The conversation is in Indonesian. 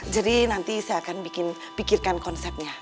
jadi nanti saya akan bikin pikirkan konsepnya